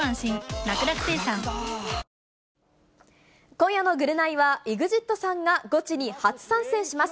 今夜のぐるナイは、ＥＸＩＴさんがゴチに初参戦します。